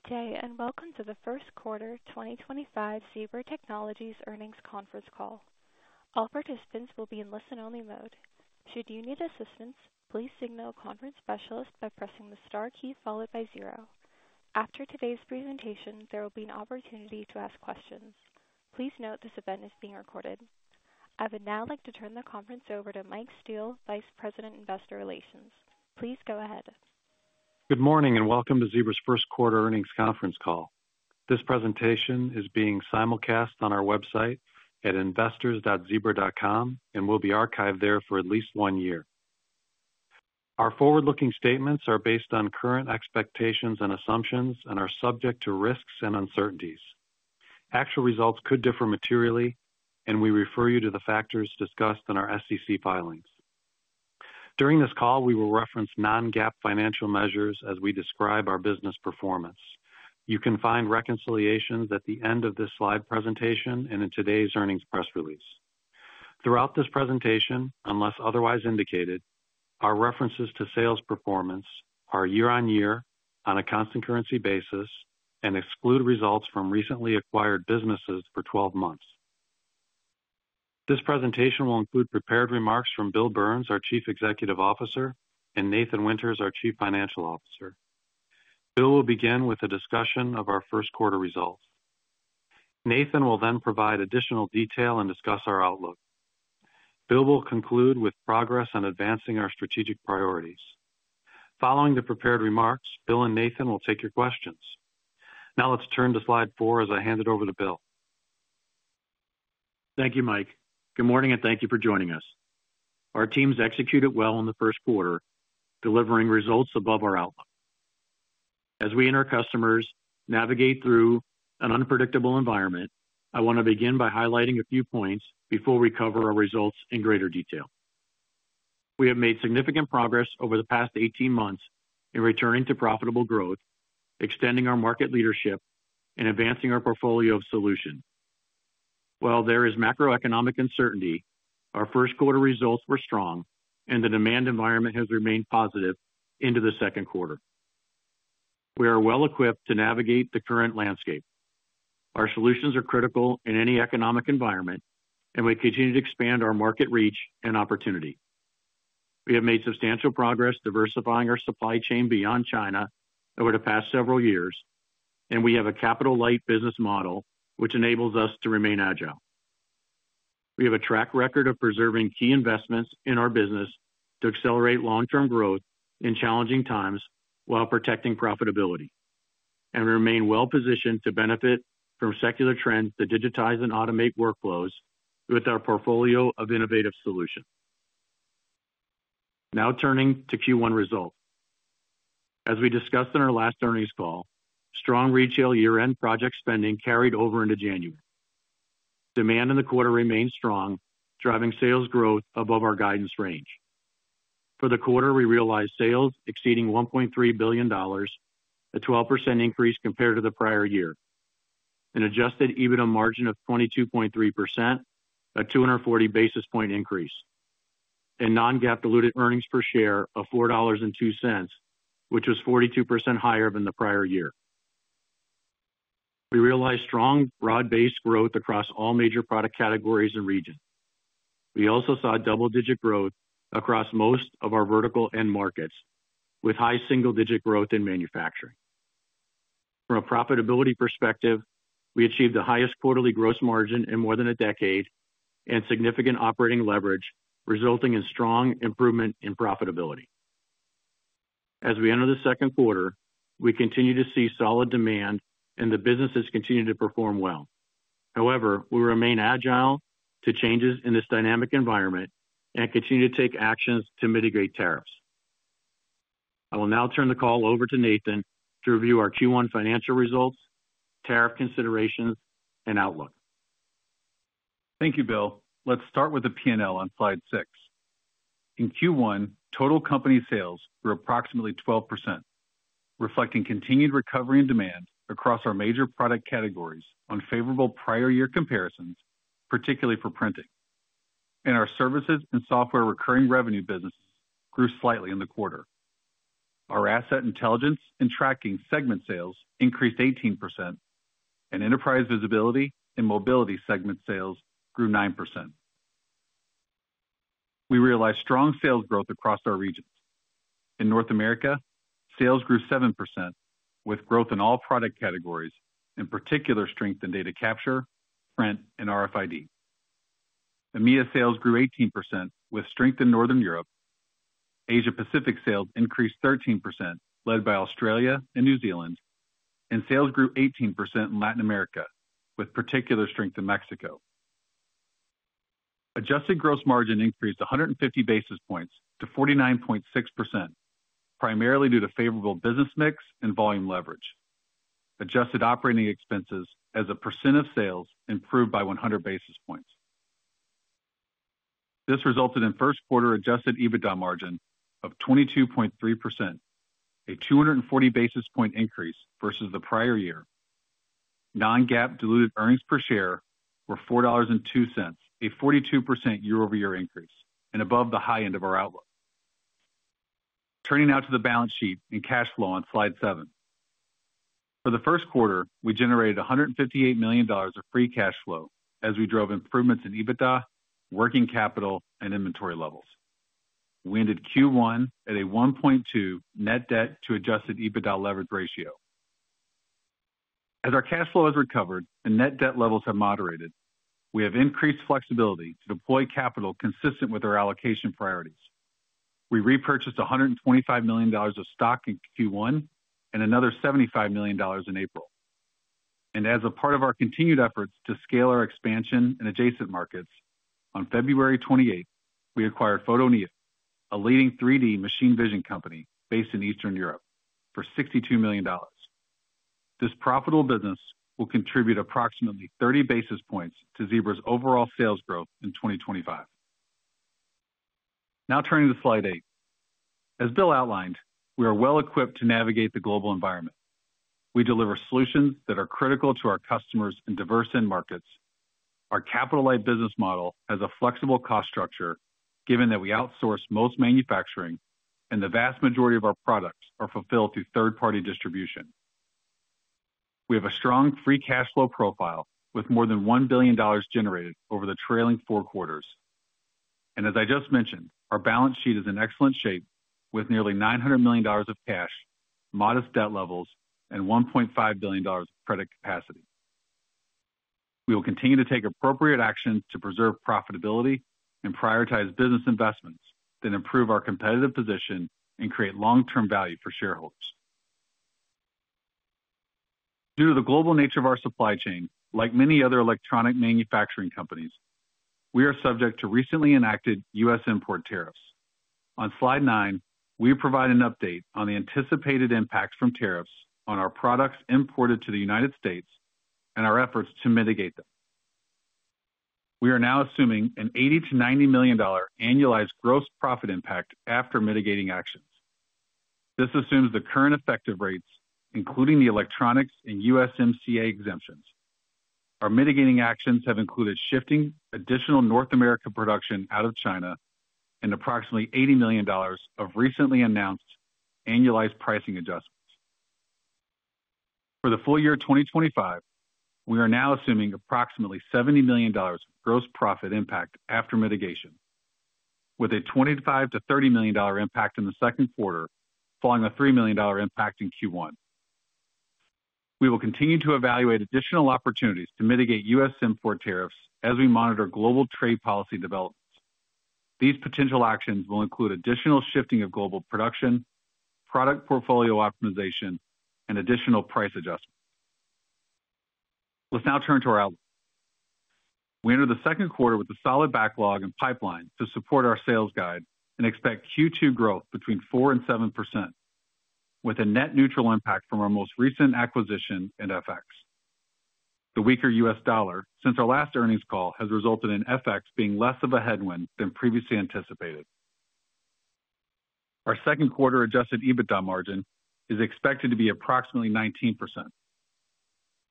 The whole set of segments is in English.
Good day and welcome to the Q1 2025 Zebra Technologies Earnings Conference Call. All participants will be in listen-only mode. Should you need assistance, please signal a conference specialist by pressing the star key followed by zero. After today's presentation, there will be an opportunity to ask questions. Please note this event is being recorded. I would now like to turn the conference over to Mike Steele, Vice President, Investor Relations. Please go ahead. Good morning and welcome to Zebra's Q1 Earnings Conference Call. This presentation is being simulcast on our website at investors.zebra.com and will be archived there for at least one year. Our forward-looking statements are based on current expectations and assumptions and are subject to risks and uncertainties. Actual results could differ materially, and we refer you to the factors discussed in our SEC filings. During this call, we will reference Non-GAAP financial measures as we describe our business performance. You can find reconciliations at the end of this presentation and in today's earnings press release. Throughout this presentation, unless otherwise indicated, our references to sales performance are year-on-year, on a constant currency basis, and exclude results from recently acquired businesses for 12 months. This presentation will include prepared remarks from Bill Burns, our Chief Executive Officer, and Nathan Winters, our Chief Financial Officer. Bill will begin with a discussion of our Q1 results. Nathan will then provide additional detail and discuss our outlook. Bill will conclude with progress on advancing our strategic priorities. Following the prepared remarks, Bill and Nathan will take your questions. Now let's turn to Slide 4 as I hand it over to Bill. Thank you, Mike. Good morning and thank you for joining us. Our teams executed well in the Q1, delivering results above our outlook. As we and our customers navigate through an unpredictable environment, I want to begin by highlighting a few points before we cover our results in greater detail. We have made significant progress over the past 18 months in returning to profitable growth, extending our market leadership, and advancing our portfolio of solutions. While there is macroeconomic uncertainty, our Q1 results were strong, and the demand environment has remained positive into the Q2. We are well equipped to navigate the current landscape. Our solutions are critical in any economic environment, and we continue to expand our market reach and opportunity. We have made substantial progress diversifying our supply chain beyond China over the past several years, and we have a capital-light business model which enables us to remain agile. We have a track record of preserving key investments in our business to accelerate long-term growth in challenging times while protecting profitability, and we remain well positioned to benefit from secular trends to digitize and automate workflows with our portfolio of innovative solutions. Now turning to Q1 results. As we discussed in our last earnings call, strong retail year-end project spending carried over into January. Demand in the quarter remained strong, driving sales growth above our guidance range. For the quarter, we realized sales exceeding $1.3 billion, a 12% increase compared to the prior year, and Adjusted EBITDA margin of 22.3%, a 240 basis point increase, and Non-GAAP diluted earnings per share of $4.02, which was 42% higher than the prior year. We realized strong broad-based growth across all major product categories and regions. We also saw double-digit growth across most of our vertical and markets, with high single-digit growth in manufacturing. From a profitability perspective, we achieved the highest quarterly gross margin in more than a decade and significant operating leverage, resulting in strong improvement in profitability. As we enter the Q2, we continue to see solid demand, and the business has continued to perform well. However, we remain agile to changes in this dynamic environment and continue to take actions to mitigate tariffs. I will now turn the call over to Nathan to review our Q1 financial results, tariff considerations, and outlook. Thank you, Bill. Let's start with the P&L on Slide 6. In Q1, total company sales grew approximately 12%, reflecting continued recovery in demand across our major product categories on favorable prior-year comparisons, particularly for printing. Our services and software recurring revenue businesses grew slightly in the quarter. Our Asset Intelligence and Tracking segment sales increased 18%, and Enterprise Visibility and Mobility segment sales grew 9%. We realized strong sales growth across our regions. In North America, sales grew 7% with growth in all product categories, in particular strength in data capture, print, and RFID. EMEA sales grew 18% with strength in Northern Europe. Asia-Pacific sales increased 13%, led by Australia and New Zealand, and sales grew 18% in Latin America, with particular strength in Mexico. Adjusted gross margin increased 150 basis points to 49.6%, primarily due to favorable business mix and volume leverage. Adjusted operating expenses as a percent of sales improved by 100 basis points. This resulted in Q1 Adjusted EBITDA margin of 22.3%, a 240 basis point increase versus the prior year. Non-GAAP diluted earnings per share were $4.02, a 42% year-over-year increase, and above the high end of our outlook. Turning now to the balance sheet and cash flow on Slide 7. For the Q1, we generated $158 million of free cash flow as we drove improvements in EBITDA, working capital, and inventory levels. We ended Q1 at a 1.2 net debt to Adjusted EBITDA leverage ratio. As our cash flow has recovered and net debt levels have moderated, we have increased flexibility to deploy capital consistent with our allocation priorities. We repurchased $125 million of stock in Q1 and another $75 million in April. As a part of our continued efforts to scale our expansion in adjacent markets, on February 28th, we acquired Photoneo, a leading 3D machine vision company based in Eastern Europe, for $62 million. This profitable business will contribute approximately 30 basis points to Zebra's overall sales growth in 2025. Now turning to Slide 8. As Bill outlined, we are well equipped to navigate the global environment. We deliver solutions that are critical to our customers in diverse end markets. Our capital-light business model has a flexible cost structure, given that we outsource most manufacturing and the vast majority of our products are fulfilled through third-party distribution. We have a strong free cash flow profile with more than $1 billion generated over the trailing four quarters. As I just mentioned, our balance sheet is in excellent shape with nearly $900 million of cash, modest debt levels, and $1.5 billion of credit capacity. We will continue to take appropriate actions to preserve profitability and prioritize business investments, then improve our competitive position and create long-term value for shareholders. Due to the global nature of our supply chain, like many other electronic manufacturing companies, we are subject to recently enacted U.S. import tariffs. On Slide 9, we provide an update on the anticipated impacts from tariffs on our products imported to the United States and our efforts to mitigate them. We are now assuming an $80-$90 million annualized gross profit impact after mitigating actions. This assumes the current effective rates, including the electronics and USMCA exemptions. Our mitigating actions have included shifting additional North America production out of China and approximately $80 million of recently announced annualized pricing adjustments. For full year 2025, we are now assuming approximately $70 million gross profit impact after mitigation, with a $25 to 30 million impact in the Q2 following a $3 million impact in Q1. We will continue to evaluate additional opportunities to mitigate U.S. import tariffs as we monitor global trade policy developments. These potential actions will include additional shifting of global production, product portfolio optimization, and additional price adjustments. Let's now turn to our outlook. We entered the Q2 with a solid backlog and pipeline to support our sales guide and expect Q2 growth between 4-7%, with a net neutral impact from our most recent acquisition in FX. The weaker U.S. dollar since our last earnings call has resulted in FX being less of a headwind than previously anticipated. Our Q2 Adjusted EBITDA margin is expected to be approximately 19%,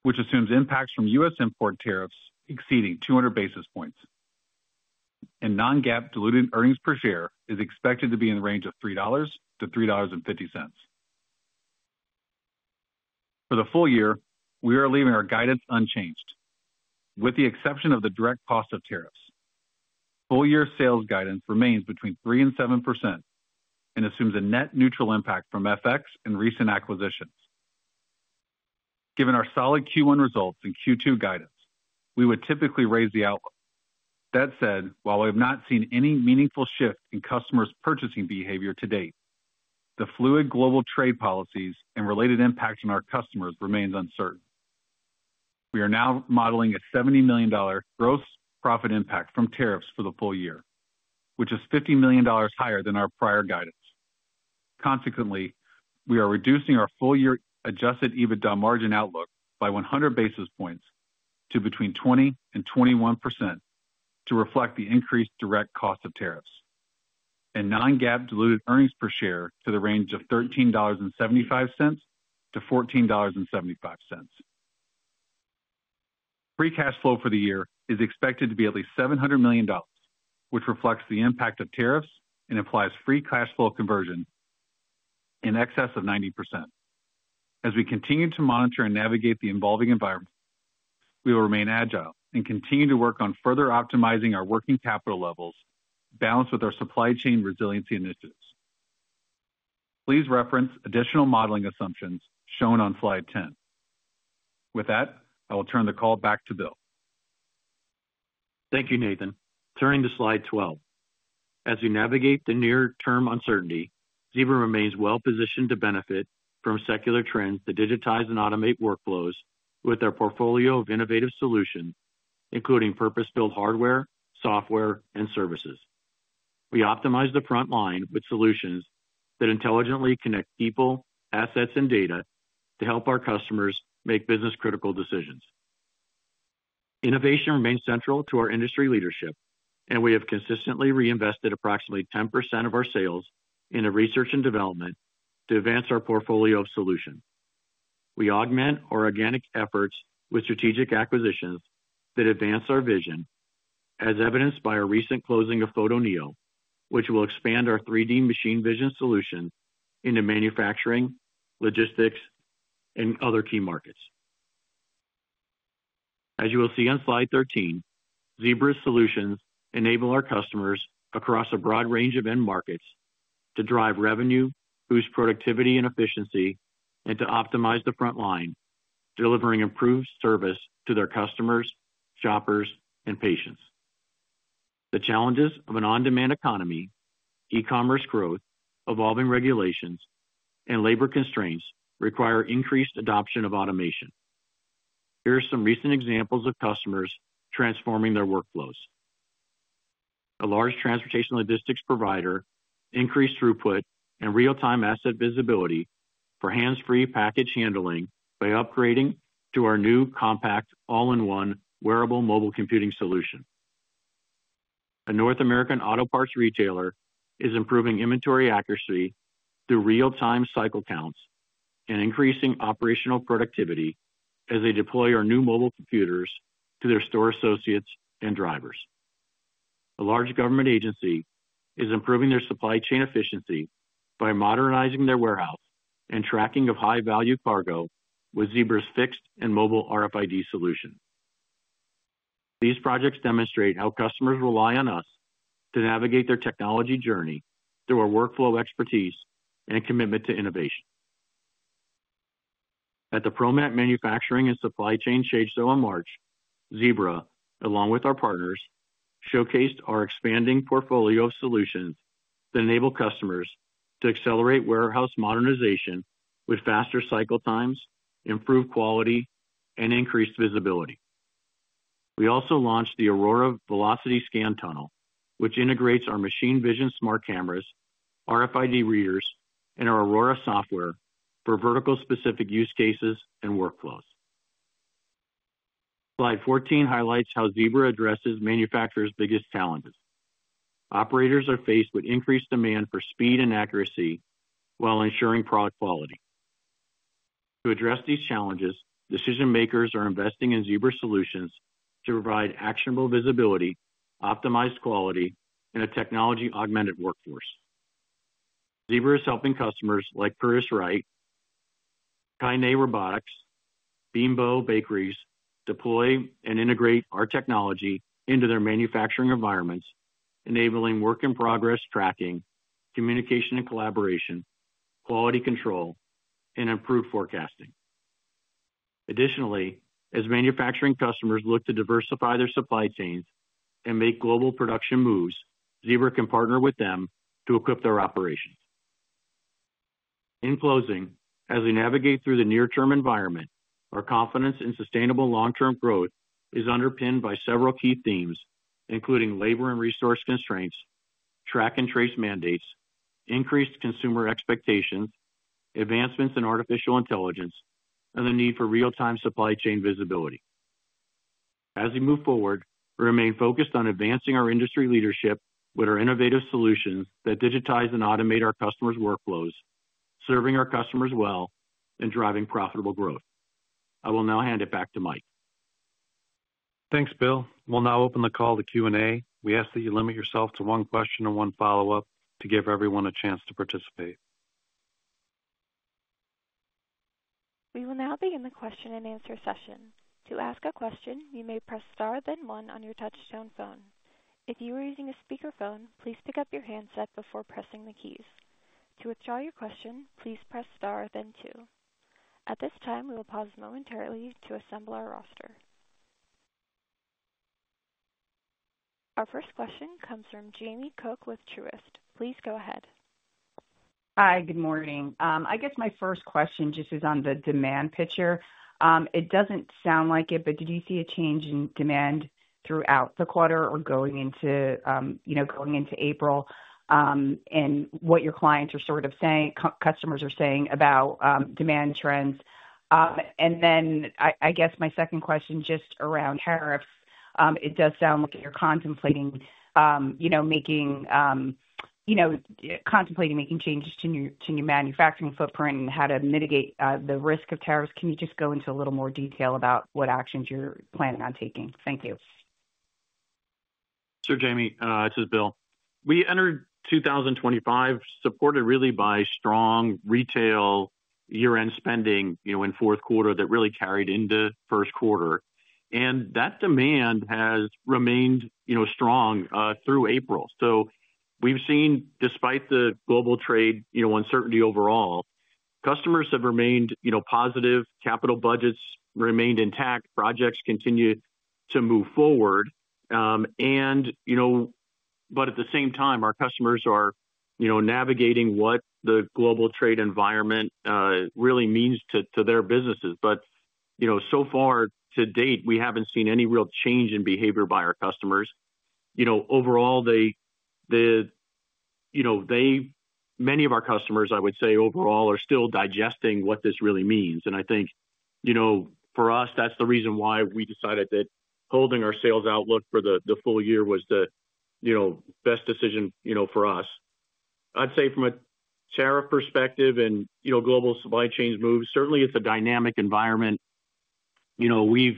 which assumes impacts from U.S. import tariffs exceeding 200 basis points. Non-GAAP diluted earnings per share is expected to be in the range of $3 to $3.50. For full year, we are leaving our guidance unchanged, with the exception of the direct cost of full year sales guidance remains between 3% and 7% and assumes a net neutral impact from FX and recent acquisitions. Given our solid Q1 results and Q2 guidance, we would typically raise the outlook. That said, while we have not seen any meaningful shift in customers' purchasing behavior to date, the fluid global trade policies and related impacts on our customers remain uncertain. We are now modeling a $70 million gross profit impact from tariffs for full year, which is $50 million higher than our prior guidance. Consequently, we are reducing full year Adjusted EBITDA margin outlook by 100 basis points to between 20-21% to reflect the increased direct cost of tariffs. Non-GAAP diluted earnings per share is to the range of $13.75 to $14.75. Free cash flow for the year is expected to be at least $700 million, which reflects the impact of tariffs and implies free cash flow conversion in excess of 90%. As we continue to monitor and navigate the evolving environment, we will remain agile and continue to work on further optimizing our working capital levels balanced with our supply chain resiliency initiatives. Please reference additional modeling assumptions shown on Slide 10. With that, I will turn the call back to Bill. Thank you, Nathan. Turning to Slide 12. As we navigate the near-term uncertainty, Zebra remains well positioned to benefit from secular trends to digitize and automate workflows with our portfolio of innovative solutions, including purpose-built hardware, software, and services. We optimize the front line with solutions that intelligently connect people, assets, and data to help our customers make business-critical decisions. Innovation remains central to our industry leadership, and we have consistently reinvested approximately 10% of our sales in research and development to advance our portfolio of solutions. We augment our organic efforts with strategic acquisitions that advance our vision, as evidenced by our recent closing of Photoneo, which will expand our 3D machine vision solutions into manufacturing, logistics, and other key markets. As you will see on Slide 13, Zebra's solutions enable our customers across a broad range of end markets to drive revenue, boost productivity and efficiency, and to optimize the front line, delivering improved service to their customers, shoppers, and patients. The challenges of an on-demand economy, e-commerce growth, evolving regulations, and labor constraints require increased adoption of automation. Here are some recent examples of customers transforming their workflows. A large transportation logistics provider increased throughput and real-time asset visibility for hands-free package handling by upgrading to our new compact all-in-one wearable mobile computing solution. A North American auto parts retailer is improving inventory accuracy through real-time cycle counts and increasing operational productivity as they deploy our new mobile computers to their store associates and drivers. A large government agency is improving their supply chain efficiency by modernizing their warehouse and tracking of high-value cargo with Zebra's fixed and mobile RFID solution. These projects demonstrate how customers rely on us to navigate their technology journey through our workflow expertise and commitment to innovation. At the ProMat Manufacturing and Supply Chain Trade Show in March, Zebra, along with our partners, showcased our expanding portfolio of solutions that enable customers to accelerate warehouse modernization with faster cycle times, improved quality, and increased visibility. We also launched the Aurora Velocity Scan Tunnel, which integrates our machine vision smart cameras, RFID readers, and our Aurora Software for vertical-specific use cases and workflows. Slide 14 highlights how Zebra addresses manufacturers' biggest challenges. Operators are faced with increased demand for speed and accuracy while ensuring product quality. To address these challenges, decision-makers are investing in Zebra solutions to provide actionable visibility, optimized quality, and a technology-augmented workforce. Zebra is helping customers like Curtiss-Wright Corporation, Kane Robotics, and Bimbo Bakeries deploy and integrate our technology into their manufacturing environments, enabling work-in-progress tracking, communication and collaboration, quality control, and improved forecasting. Additionally, as manufacturing customers look to diversify their supply chains and make global production moves, Zebra can partner with them to equip their operations. In closing, as we navigate through the near-term environment, our confidence in sustainable long-term growth is underpinned by several key themes, including labor and resource constraints, track and trace mandates, increased consumer expectations, advancements in artificial intelligence, and the need for real-time supply chain visibility. As we move forward, we remain focused on advancing our industry leadership with our innovative solutions that digitize and automate our customers' workflows, serving our customers well, and driving profitable growth. I will now hand it back to Mike. Thanks, Bill. We'll now open the call to Q&A. We ask that you limit yourself to one question and one follow-up to give everyone a chance to participate. We will now begin the Q&A session. To ask a question, you may press star, then one on your touch-tone phone. If you are using a speakerphone, please pick up your handset before pressing the keys. To withdraw your question, please press star, then two. At this time, we will pause momentarily to assemble our roster. Our first question comes from Jamie Cook with Truist. Please go ahead. Hi, good morning. I guess my first question just is on the demand picture. It doesn't sound like it, but did you see a change in demand throughout the quarter or going into April and what your clients are sort of saying, customers are saying about demand trends? I guess my second question just around tariffs. It does sound like you're contemplating making changes to your manufacturing footprint and how to mitigate the risk of tariffs. Can you just go into a little more detail about what actions you're planning on taking? Thank you. Sure, Jamie. This is Bill. We entered 2025 supported really by strong retail year-end spending in Q4 that really carried into Q1. That demand has remained strong through April. We have seen, despite the global trade uncertainty overall, customers have remained positive, capital budgets remained intact, projects continue to move forward. At the same time, our customers are navigating what the global trade environment really means to their businesses. So far to date, we have not seen any real change in behavior by our customers. Overall, many of our customers, I would say overall, are still digesting what this really means. I think for us, that is the reason why we decided that holding our sales outlook for full year was the best decision for us. I would say from a tariff perspective and global supply chains move, certainly it is a dynamic environment. We've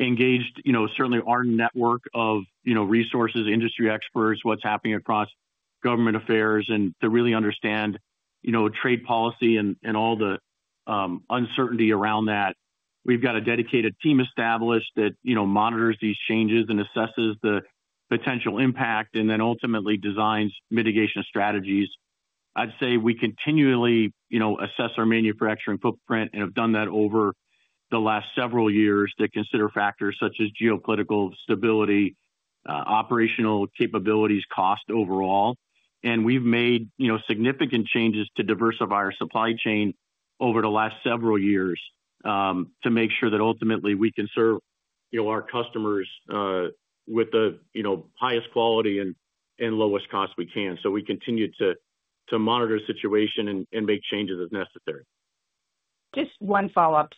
engaged certainly our network of resources, industry experts, what's happening across government affairs, and to really understand trade policy and all the uncertainty around that. We've got a dedicated team established that monitors these changes and assesses the potential impact and then ultimately designs mitigation strategies. I'd say we continually assess our manufacturing footprint and have done that over the last several years to consider factors such as geopolitical stability, operational capabilities, cost overall. We've made significant changes to diversify our supply chain over the last several years to make sure that ultimately we can serve our customers with the highest quality and lowest cost we can. We continue to monitor the situation and make changes as necessary. Just one follow-up.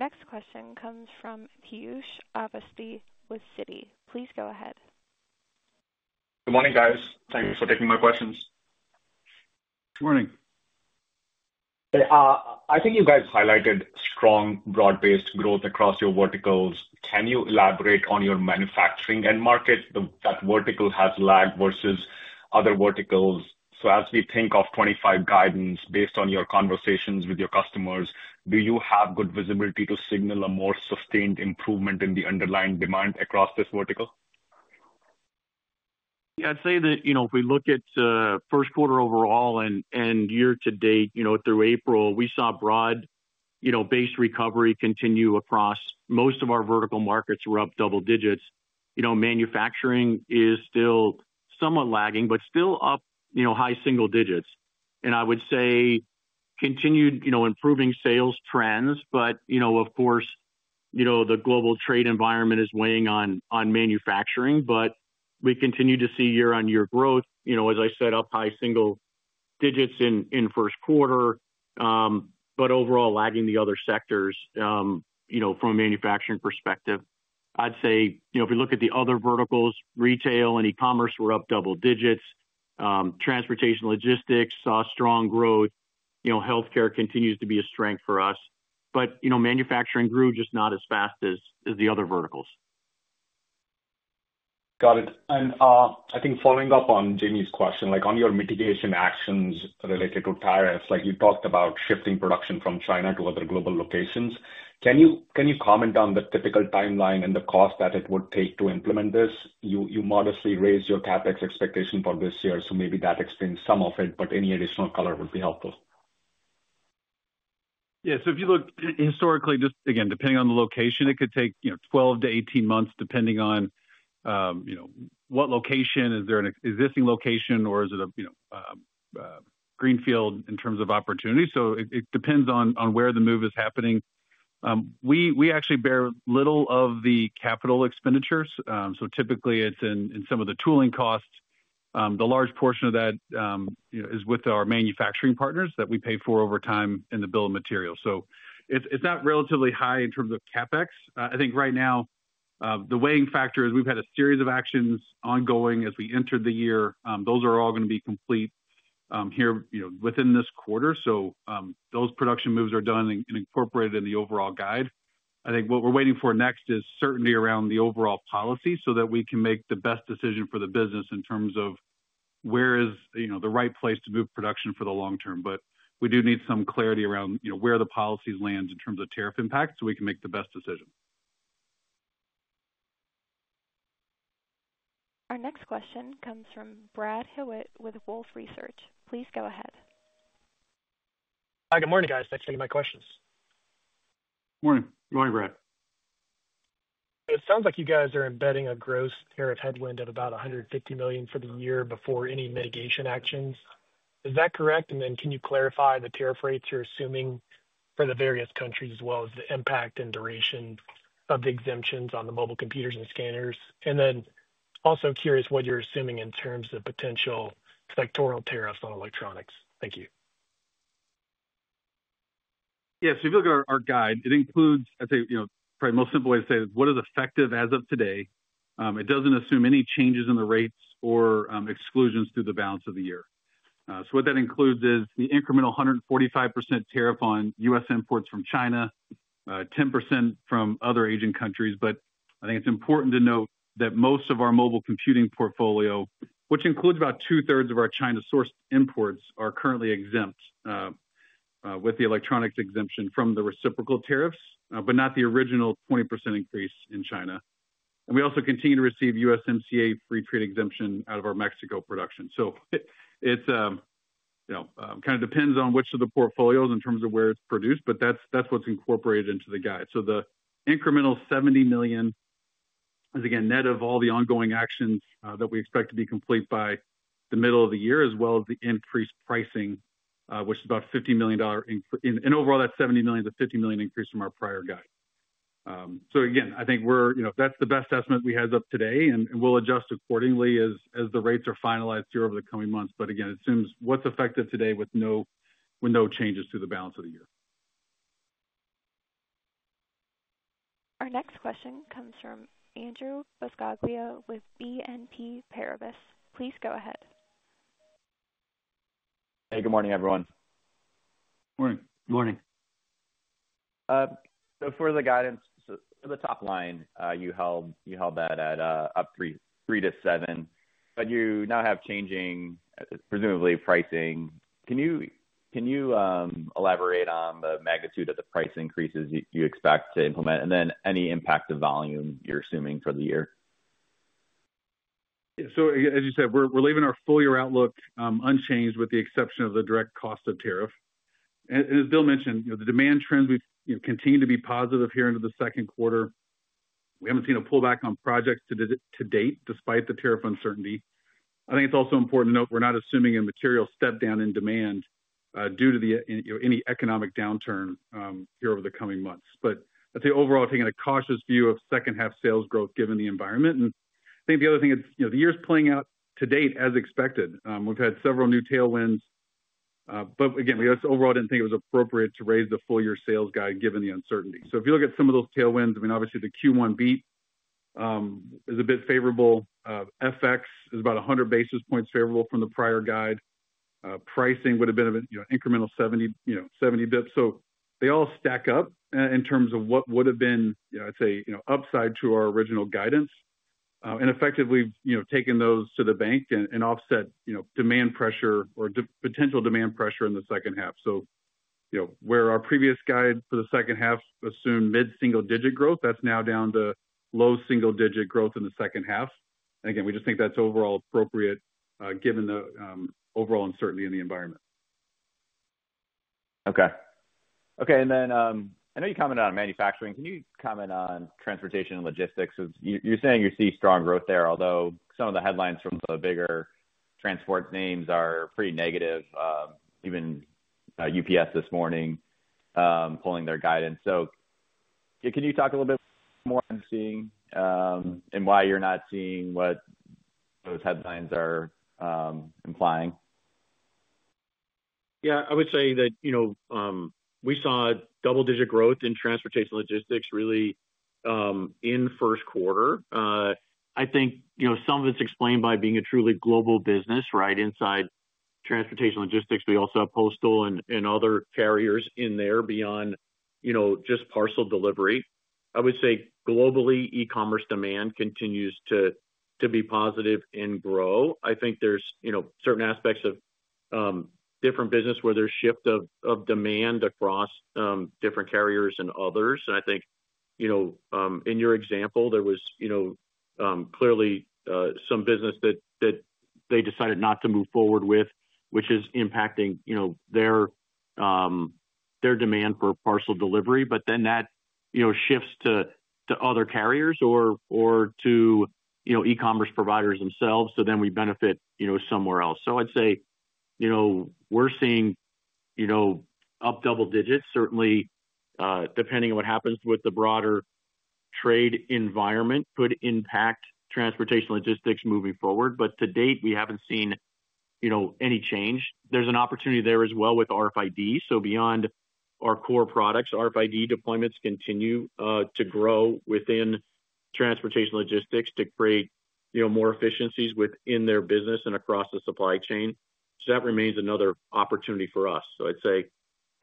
Our next question comes from Piyush Avasthy with Citi. Please go ahead. Good morning, guys. Thanks for taking my questions. Good morning. I think you guys highlighted strong broad-based growth across your verticals. Can you elaborate on your manufacturing end market? That vertical has lagged versus other verticals. As we think of 2025 guidance based on your conversations with your customers, do you have good visibility to signal a more sustained improvement in the underlying demand across this vertical? Yeah, I'd say that if we look at Q1 overall and year-to-date through April, we saw broad-based recovery continue across most of our vertical markets were up double digits. Manufacturing is still somewhat lagging, but still up high single digits. I would say continued improving sales trends, of course, the global trade environment is weighing on manufacturing, but we continue to see year-on-year growth, as I said, up high single digits in Q1, overall lagging the other sectors from a manufacturing perspective. I'd say if we look at the other verticals, retail and e-commerce were up double digits. Transportation logistics saw strong growth. Healthcare continues to be a strength for us, but manufacturing grew just not as fast as the other verticals. Got it. I think following up on Jamie's question, on your mitigation actions related to tariffs, you talked about shifting production from China to other global locations. Can you comment on the typical timeline and the cost that it would take to implement this? You modestly raised your CapEx expectation for this year, so maybe that explains some of it, but any additional color would be helpful. Yeah. If you look historically, just again, depending on the location, it could take 12-18 months depending on what location. Is there an existing location, or is it a greenfield in terms of opportunity? It depends on where the move is happening. We actually bear little of the capital expenditures. Typically, it's in some of the tooling costs. The large portion of that is with our manufacturing partners that we pay for over time in the bill of material. It's not relatively high in terms of CapEx. I think right now, the weighing factor is we've had a series of actions ongoing as we entered the year. Those are all going to be complete here within this quarter. Those production moves are done and incorporated in the overall guide. I think what we're waiting for next is certainty around the overall policy so that we can make the best decision for the business in terms of where is the right place to move production for the long term. We do need some clarity around where the policies land in terms of tariff impact so we can make the best decision. Our next question comes from Brad Hewitt with Wolfe Research. Please go ahead. Hi, good morning, guys. Thanks for getting my questions. Morning. Good morning, Brad. It sounds like you guys are embedding a gross tariff headwind of about $150 million for the year before any mitigation actions. Is that correct? Can you clarify the tariff rates you're assuming for the various countries as well as the impact and duration of the exemptions on the mobile computers and scanners? I am also curious what you're assuming in terms of potential sectoral tariffs on electronics. Thank you. Yeah. If you look at our guide, it includes, I'd say probably the most simple way to say it is what is effective as of today. It doesn't assume any changes in the rates or exclusions through the balance of the year. What that includes is the incremental 145% tariff on U.S. imports from China, 10% from other Asian countries. I think it's important to note that most of our mobile computing portfolio, which includes about two-thirds of our China-sourced imports, are currently exempt with the electronics exemption from the reciprocal tariffs, but not the original 20% increase in China. We also continue to receive USMCA free trade exemption out of our Mexico production. It kind of depends on which of the portfolios in terms of where it's produced, but that's what's incorporated into the guide. The incremental $70 million is, again, net of all the ongoing actions that we expect to be complete by the middle of the year, as well as the increased pricing, which is about $50 million. Overall, that $70 million to $50 million increase is from our prior guide. I think that's the best estimate we have up today, and we'll adjust accordingly as the rates are finalized here over the coming months. Again, it assumes what's effective today with no changes to the balance of the year. Our next question comes from Andrew Buscaglia with BNP Paribas. Please go ahead. Hey, good morning, everyone. Morning. Good morning. For the guidance, for the top line, you held that at up 3-7%, but you now have changing, presumably, pricing. Can you elaborate on the magnitude of the price increases you expect to implement, and then any impact of volume you're assuming for the year? As you said, we're leaving our full-year outlook unchanged with the exception of the direct cost of tariff. As Bill mentioned, the demand trends continue to be positive here into the Q2. We haven't seen a pullback on projects to date despite the tariff uncertainty. I think it's also important to note we're not assuming a material step down in demand due to any economic downturn here over the coming months. I'd say overall, taking a cautious view of second-half sales growth given the environment. I think the other thing is the year's playing out to date as expected. We've had several new tailwinds. Again, we just overall didn't think it was appropriate to raise the full-year sales guide given the uncertainty. If you look at some of those tailwinds, I mean, obviously, the Q1 beat is a bit favorable. FX is about 100 basis points favorable from the prior guide. Pricing would have been an incremental 70 basis points. They all stack up in terms of what would have been, I'd say, upside to our original guidance and effectively taken those to the bank and offset demand pressure or potential demand pressure in the second half. Where our previous guide for the second half assumed mid-single-digit growth, that is now down to low single-digit growth in the second half. Again, we just think that is overall appropriate given the overall uncertainty in the environment. Okay. Okay. I know you commented on manufacturing. Can you comment on transportation and logistics? You're saying you see strong growth there, although some of the headlines from the bigger transport names are pretty negative, even UPS this morning pulling their guidance. Can you talk a little bit more on seeing and why you're not seeing what those headlines are implying? Yeah. I would say that we saw double-digit growth in transportation logistics really in Q1. I think some of it's explained by being a truly global business, right? Inside transportation logistics, we also have postal and other carriers in there beyond just parcel delivery. I would say globally, e-commerce demand continues to be positive and grow. I think there's certain aspects of different business where there's shift of demand across different carriers and others. I think in your example, there was clearly some business that they decided not to move forward with, which is impacting their demand for parcel delivery. That shifts to other carriers or to e-commerce providers themselves. We benefit somewhere else. I'd say we're seeing up double digits. Certainly, depending on what happens with the broader trade environment, could impact transportation logistics moving forward. To date, we haven't seen any change. There's an opportunity there as well with RFID. Beyond our core products, RFID deployments continue to grow within transportation logistics to create more efficiencies within their business and across the supply chain. That remains another opportunity for us. I'd say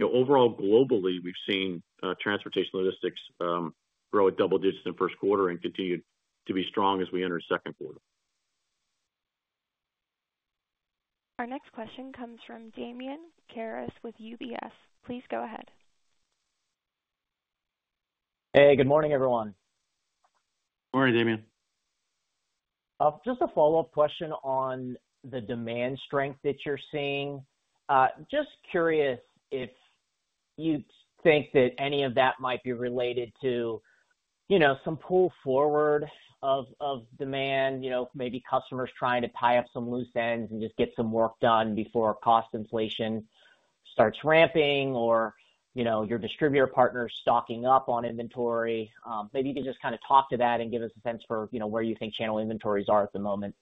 overall, globally, we've seen transportation logistics grow at double digits in Q1 and continue to be strong as we enter the Q2. Our next question comes from Damian Karas with UBS. Please go ahead. Hey, good morning, everyone. Morning, Damien. Just a follow-up question on the demand strength that you're seeing. Just curious if you think that any of that might be related to some pull forward of demand, maybe customers trying to tie up some loose ends and just get some work done before cost inflation starts ramping or your distributor partners stocking up on inventory. Maybe you can just kind of talk to that and give us a sense for where you think channel inventories are at the moment.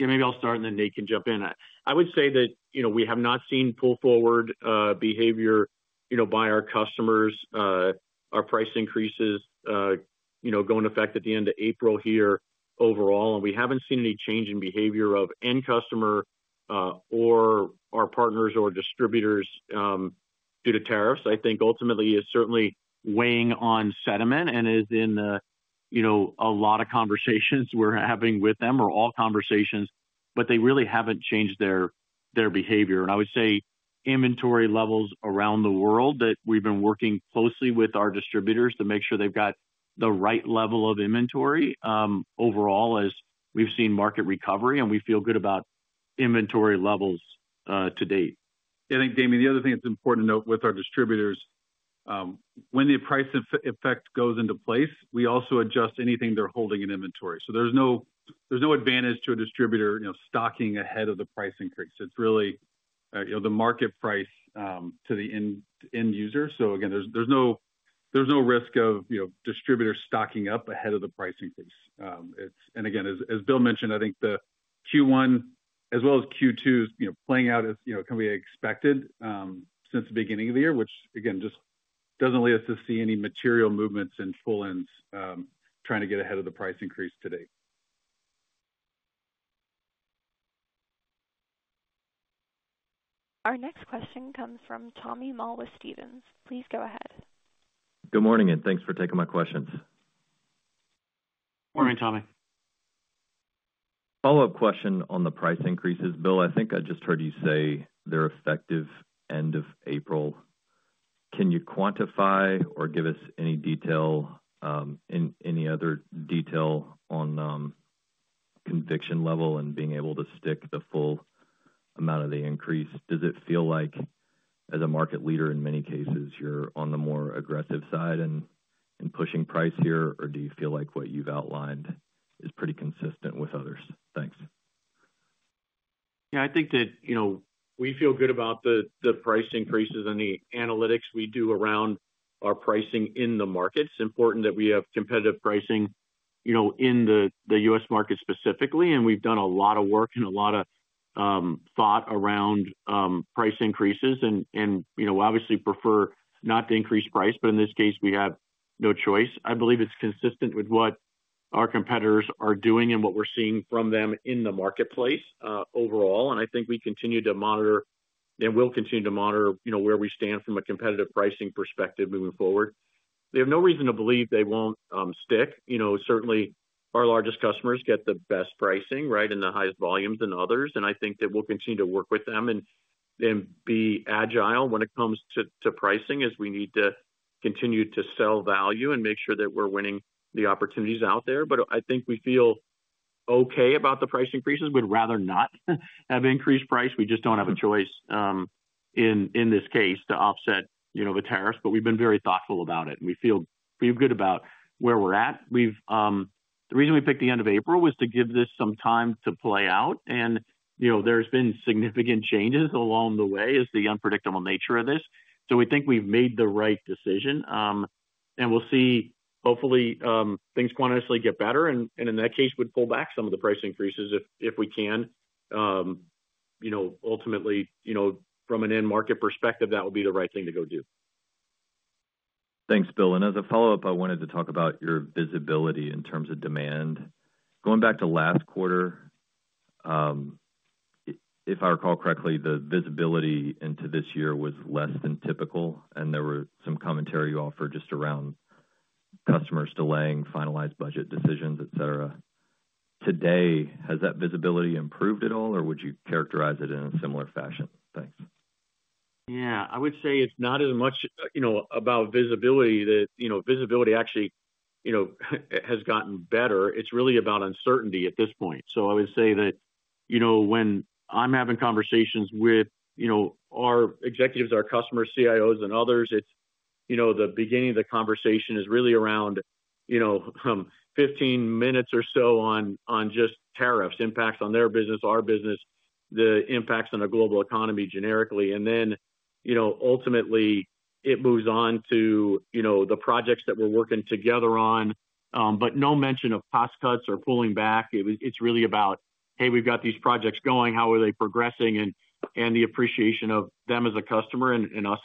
Yeah. Maybe I'll start, and then Nate can jump in. I would say that we have not seen pull forward behavior by our customers. Our price increases go into effect at the end of April here overall. We haven't seen any change in behavior of end customer or our partners or distributors due to tariffs. I think ultimately it is certainly weighing on sentiment and is in a lot of conversations we're having with them or all conversations, but they really haven't changed their behavior. I would say inventory levels around the world that we've been working closely with our distributors to make sure they've got the right level of inventory overall as we've seen market recovery, and we feel good about inventory levels to date. Yeah. I think, Damien, the other thing that's important to note with our distributors, when the price effect goes into place, we also adjust anything they're holding in inventory. There is no advantage to a distributor stocking ahead of the price increase. It is really the market price to the end user. There is no risk of distributors stocking up ahead of the price increase. As Bill mentioned, I think the Q1 as well as Q2 is playing out as can be expected since the beginning of the year, which just does not lead us to see any material movements in pull-ins trying to get ahead of the price increase today. Our next question comes from Tommy Moll at Stephens. Please go ahead. Good morning, and thanks for taking my questions. Morning, Tommy. Follow-up question on the price increases. Bill, I think I just heard you say they're effective end of April. Can you quantify or give us any detail, any other detail on conviction level and being able to stick the full amount of the increase? Does it feel like, as a market leader in many cases, you're on the more aggressive side in pushing price here, or do you feel like what you've outlined is pretty consistent with others? Thanks. Yeah. I think that we feel good about the price increases and the analytics we do around our pricing in the U.S. market specifically. It's important that we have competitive pricing in the U.S. market specifically. We have done a lot of work and a lot of thought around price increases and obviously prefer not to increase price, but in this case, we have no choice. I believe it's consistent with what our competitors are doing and what we're seeing from them in the marketplace overall. I think we continue to monitor, and we'll continue to monitor where we stand from a competitive pricing perspective moving forward. I have no reason to believe they won't stick. Certainly, our largest customers get the best pricing, right, and the highest volumes than others. I think that we'll continue to work with them and be agile when it comes to pricing as we need to continue to sell value and make sure that we're winning the opportunities out there. I think we feel okay about the price increases. We'd rather not have increased price. We just don't have a choice in this case to offset the tariffs. We've been very thoughtful about it, and we feel good about where we're at. The reason we picked the end of April was to give this some time to play out. There's been significant changes along the way as the unpredictable nature of this. We think we've made the right decision. We'll see, hopefully, things quantitatively get better, and in that case, we'd pull back some of the price increases if we can. Ultimately, from an end market perspective, that would be the right thing to go do. Thanks, Bill. As a follow-up, I wanted to talk about your visibility in terms of demand. Going back to last quarter, if I recall correctly, the visibility into this year was less than typical, and there were some commentary you offered just around customers delaying finalized budget decisions, etc. Today, has that visibility improved at all, or would you characterize it in a similar fashion? Thanks. Yeah. I would say it's not as much about visibility that visibility actually has gotten better. It's really about uncertainty at this point. I would say that when I'm having conversations with our executives, our customers, CIOs, and others, the beginning of the conversation is really around 15 minutes or so on just tariffs, impacts on their business, our business, the impacts on the global economy generically. Ultimately, it moves on to the projects that we're working together on, but no mention of cost cuts or pulling back. It's really about, "Hey, we've got these projects going. How are they progressing?" and the appreciation of them as a customer and us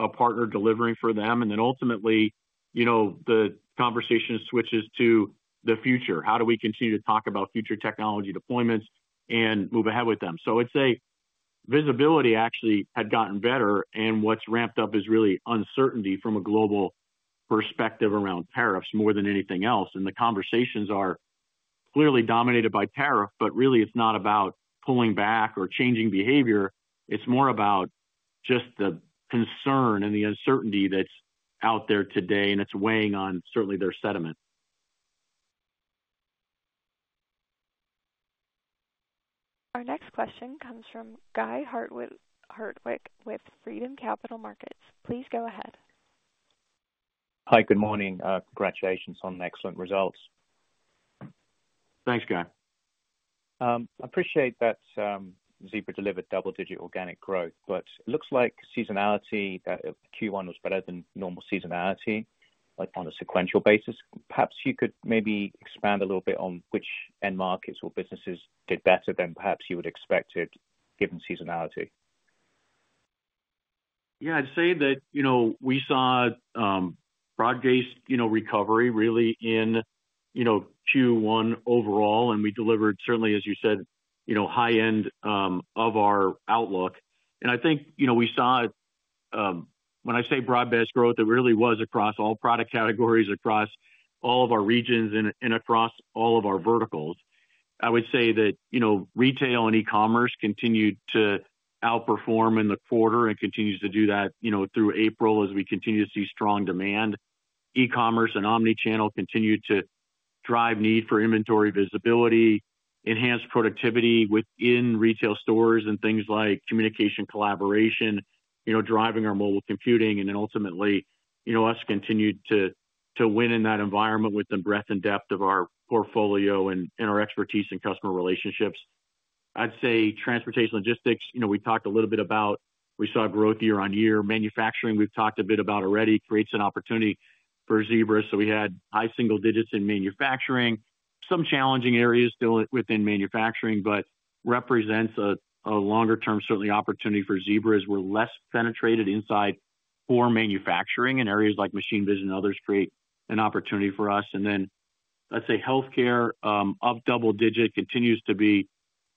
as a partner delivering for them. Ultimately, the conversation switches to the future. How do we continue to talk about future technology deployments and move ahead with them? I would say visibility actually had gotten better, and what has ramped up is really uncertainty from a global perspective around tariffs more than anything else. The conversations are clearly dominated by tariff, but really, it is not about pulling back or changing behavior. It is more about just the concern and the uncertainty that is out there today, and it is weighing on certainly their sentiment. Our next question comes from Guy Hardwick with Freedom Capital Markets. Please go ahead. Hi, good morning. Congratulations on excellent results. Thanks, Guy. I appreciate that Zebra delivered double-digit organic growth, but it looks like seasonality Q1 was better than normal seasonality on a sequential basis. Perhaps you could maybe expand a little bit on which end markets or businesses did better than perhaps you would expect it given seasonality. Yeah. I'd say that we saw broad-based recovery really in Q1 overall, and we delivered certainly, as you said, high-end of our outlook. I think we saw, when I say broad-based growth, it really was across all product categories, across all of our regions, and across all of our verticals. I would say that retail and e-commerce continued to outperform in the quarter and continues to do that through April as we continue to see strong demand. E-commerce and omnichannel continued to drive need for inventory visibility, enhanced productivity within retail stores and things like communication collaboration, driving our mobile computing. Ultimately, us continued to win in that environment with the breadth and depth of our portfolio and our expertise in customer relationships. I'd say transportation logistics, we talked a little bit about we saw growth year on year. Manufacturing, we've talked a bit about already, creates an opportunity for Zebra. We had high single digits in manufacturing. Some challenging areas still within manufacturing, but represents a longer-term certainly opportunity for Zebra as we're less penetrated inside core manufacturing in areas like machine vision and others create an opportunity for us. I would say healthcare, up double digit, continues to be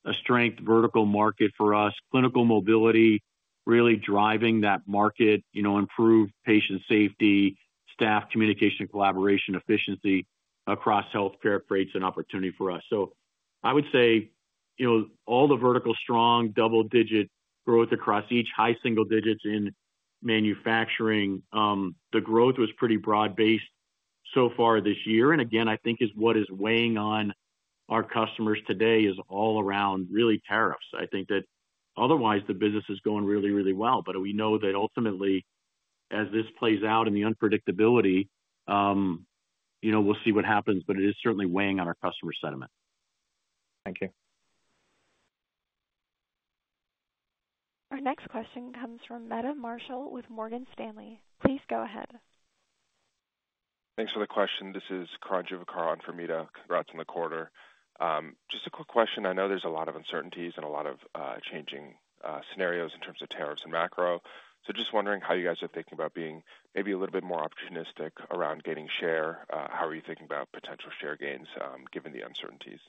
a strength vertical market for us. Clinical mobility really driving that market, improved patient safety, staff communication collaboration efficiency across healthcare creates an opportunity for us. I would say all the vertical strong double-digit growth across each, high single digits in manufacturing, the growth was pretty broad-based so far this year. I think what is weighing on our customers today is all around really tariffs. I think that otherwise the business is going really, really well. We know that ultimately, as this plays out and the unpredictability, we'll see what happens, but it is certainly weighing on our customer sentiment. Thank you. Our next question comes from Meta Marshall with Morgan Stanley. Please go ahead. Thanks for the question. This is Karan Juvekar on for Meta. Congrats on the quarter. Just a quick question. I know there's a lot of uncertainties and a lot of changing scenarios in terms of tariffs and macro. Just wondering how you guys are thinking about being maybe a little bit more opportunistic around gaining share. How are you thinking about potential share gains given the uncertainties?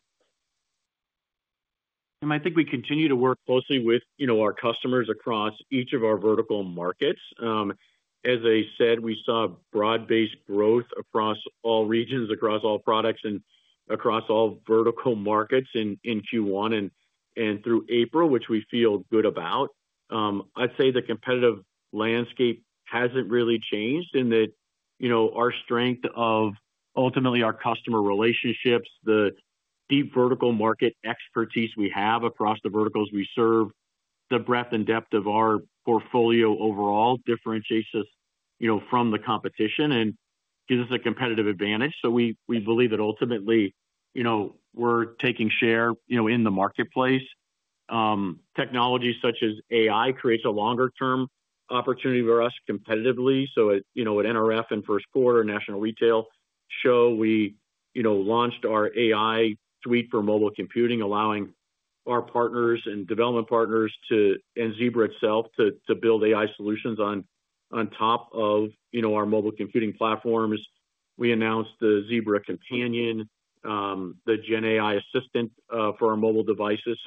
I think we continue to work closely with our customers across each of our vertical markets. As I said, we saw broad-based growth across all regions, across all products, and across all vertical markets in Q1 and through April, which we feel good about. I'd say the competitive landscape hasn't really changed in that our strength of ultimately our customer relationships, the deep vertical market expertise we have across the verticals we serve, the breadth and depth of our portfolio overall differentiates us from the competition and gives us a competitive advantage. We believe that ultimately we're taking share in the marketplace. Technology such as AI creates a longer-term opportunity for us competitively. At NRF and Q1 National Retail Show, we launched our AI suite for mobile computing, allowing our partners and development partners and Zebra itself to build AI solutions on top of our mobile computing platforms. We announced the Zebra Companion, the GenAI assistant for our mobile devices.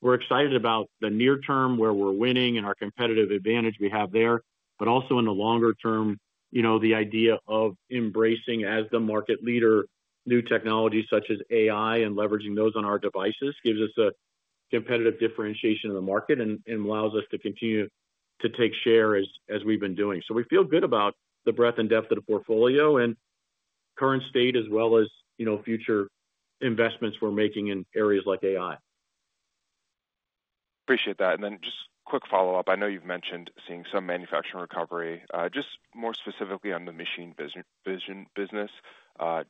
We're excited about the near term where we're winning and our competitive advantage we have there, but also in the longer term, the idea of embracing as the market leader new technologies such as AI and leveraging those on our devices gives us a competitive differentiation in the market and allows us to continue to take share as we've been doing. We feel good about the breadth and depth of the portfolio and current state as well as future investments we're making in areas like AI. Appreciate that. Just quick follow-up. I know you've mentioned seeing some manufacturing recovery. Just more specifically on the machine business,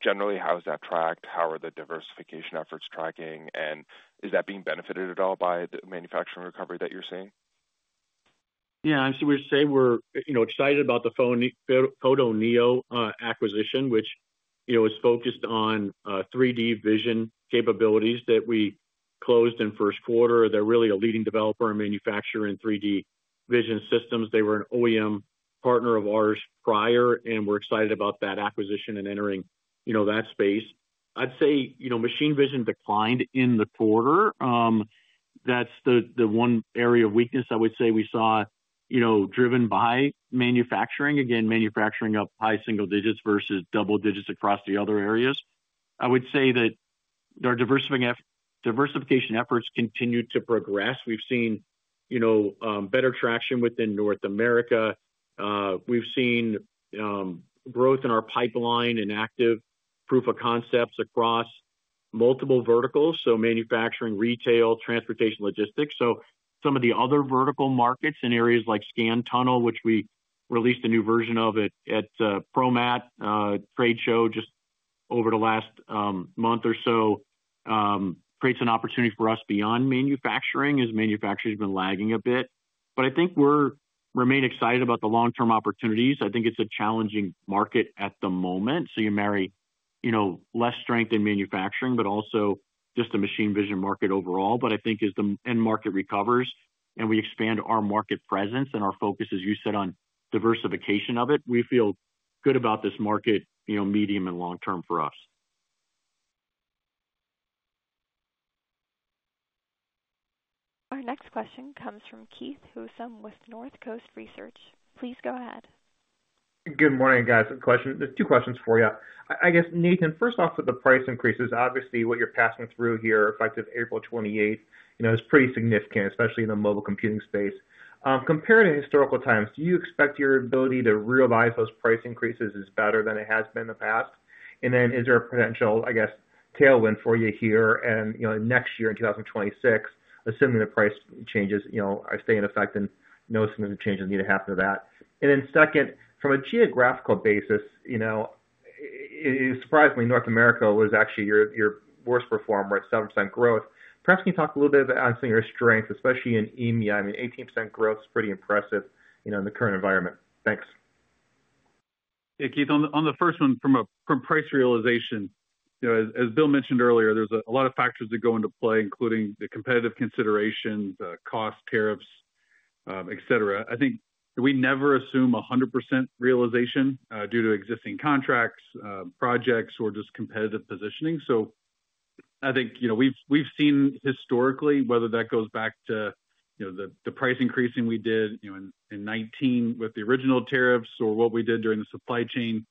generally, how is that tracked? How are the diversification efforts tracking? Is that being benefited at all by the manufacturing recovery that you're seeing? Yeah. I would say we're excited about the Photoneo acquisition, which is focused on 3D vision capabilities that we closed in Q1. They're really a leading developer and manufacturer in 3D vision systems. They were an OEM partner of ours prior, and we're excited about that acquisition and entering that space. I'd say machine vision declined in the quarter. That's the one area of weakness I would say we saw driven by manufacturing. Again, manufacturing up high single digits versus double digits across the other areas. I would say that our diversification efforts continue to progress. We've seen better traction within North America. We've seen growth in our pipeline and active proof of concepts across multiple verticals, so manufacturing, retail, transportation, logistics. Some of the other vertical markets in areas like Scan Tunnel, which we released a new version of at ProMat Trade Show just over the last month or so, creates an opportunity for us beyond manufacturing as manufacturing has been lagging a bit. I think we're remaining excited about the long-term opportunities. I think it's a challenging market at the moment. You marry less strength in manufacturing, but also just the machine vision market overall. I think as the end market recovers and we expand our market presence and our focus, as you said, on diversification of it, we feel good about this market medium and long-term for us. Our next question comes from Keith Housum with Northcoast Research. Please go ahead. Good morning, guys. There's two questions for you. I guess, Nathan, first off, with the price increases, obviously what you're passing through here, effective April 28, is pretty significant, especially in the mobile computing space. Compared to historical times, do you expect your ability to realize those price increases is better than it has been in the past? Is there a potential, I guess, tailwind for you here and next year in 2026, assuming the price changes are staying in effect and no significant changes need to happen to that? Second, from a geographical basis, surprisingly, North America was actually your worst performer at 7% growth. Perhaps can you talk a little bit about some of your strengths, especially in EMEA? I mean, 18% growth is pretty impressive in the current environment. Thanks. Yeah, Keith, on the first one, from price realization, as Bill mentioned earlier, there's a lot of factors that go into play, including the competitive considerations, costs, tariffs, etc. I think we never assume 100% realization due to existing contracts, projects, or just competitive positioning. I think we've seen historically, whether that goes back to the price increasing we did in 2019 with the original tariffs or what we did during the supply chain,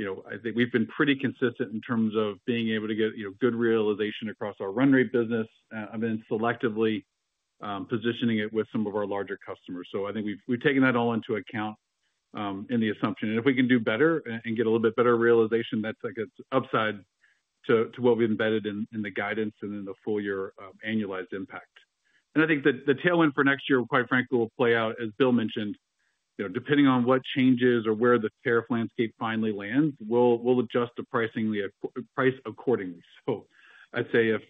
I think we've been pretty consistent in terms of being able to get good realization across our run rate business and then selectively positioning it with some of our larger customers. I think we've taken that all into account in the assumption. If we can do better and get a little bit better realization, that's like an upside to what we've embedded in the guidance and in the full-year annualized impact. I think the tailwind for next year, quite frankly, will play out, as Bill mentioned, depending on what changes or where the tariff landscape finally lands, we'll adjust the price accordingly. I'd say if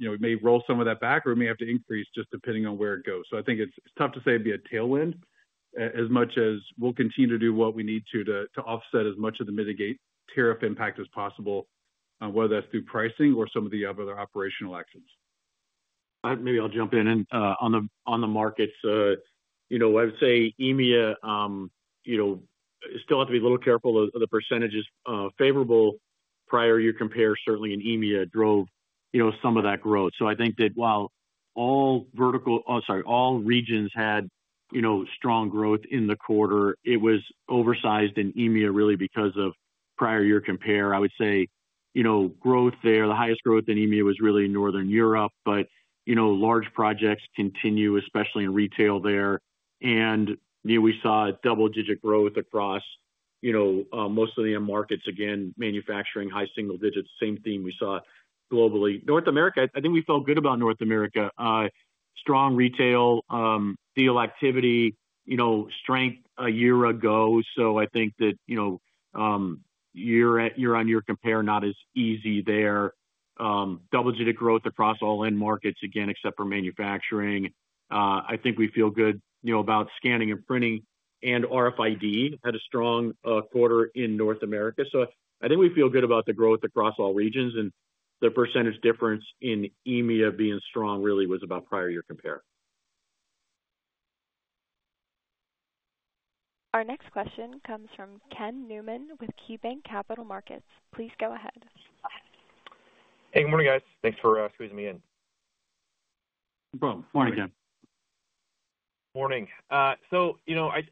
we may roll some of that back or we may have to increase just depending on where it goes. I think it's tough to say it'd be a tailwind as much as we'll continue to do what we need to to offset as much of the mitigate tariff impact as possible, whether that's through pricing or some of the other operational actions. Maybe I'll jump in on the markets. I would say EMEA still have to be a little careful of the percentages favorable prior year compare. Certainly, in EMEA, drove some of that growth. I think that while all regions had strong growth in the quarter, it was oversized in EMEA really because of prior year compare. I would say growth there, the highest growth in EMEA was really in Northern Europe, but large projects continue, especially in retail there. We saw double-digit growth across most of the end markets. Again, manufacturing, high single digits, same theme we saw globally. North America, I think we felt good about North America.Strong retail deal activity, strength a year ago. I think that year-on-year compare not as easy there. Double-digit growth across all end markets, again, except for manufacturing. I think we feel good about scanning and printing and RFID had a strong quarter in North America. I think we feel good about the growth across all regions and the percentage difference in EMEA being strong really was about prior year compare. Our next question comes from Ken Newman with KeyBanc Capital Markets. Please go ahead. Hey, good morning, guys. Thanks for squeezing me in. No problem. Morning, Ken. Morning. I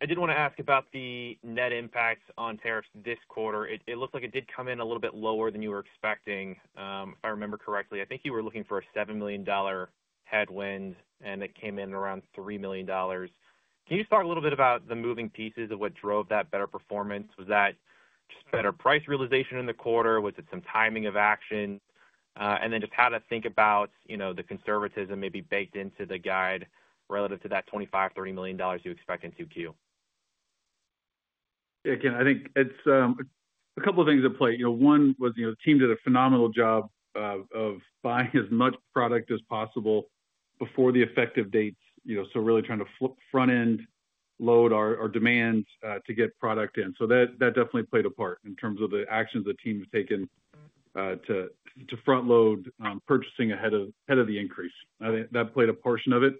did want to ask about the net impacts on tariffs this quarter. It looks like it did come in a little bit lower than you were expecting, if I remember correctly. I think you were looking for a $7 million headwind, and it came in around $3 million. Can you just talk a little bit about the moving pieces of what drove that better performance? Was that just better price realization in the quarter? Was it some timing of action? How should we think about the conservatism maybe baked into the guide relative to that $25-$30 million you expect in Q2? Yeah, again, I think it's a couple of things at play. One was the team did a phenomenal job of buying as much product as possible before the effective dates. Really trying to front-end load our demands to get product in. That definitely played a part in terms of the actions the team has taken to front-load purchasing ahead of the increase. I think that played a portion of it,